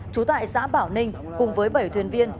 trú tại xã bảo ninh cùng với bảy thuyền viên